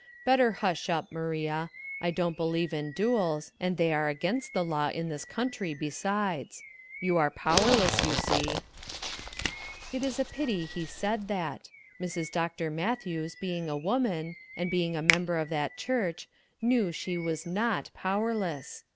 Better hush up, Maria. I don't believe in duels, and they are against the law in this country besides; you are powerless, you see." It is a pity he said that. Mrs. Dr. Matthews being a woman, and being a member of that church, knew she was not powerless.